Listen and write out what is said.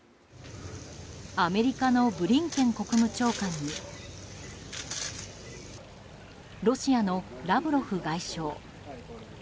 アメリカのブリンケン国務長官にロシアのラブロフ外相。